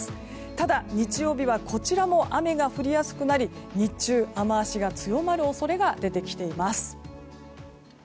ただ、日曜日はこちらも雨が降りやすくなり日中、雨脚が強まる恐れが出てきています。